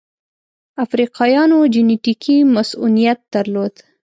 افریقایانو جنټیکي مصوونیت درلود.